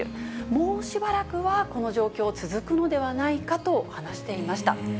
もうしばらくはこの状況続くのではないかと話していました。